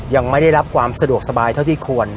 ยังไม่ได้รับความสะดวกสบายเท่าที่ควร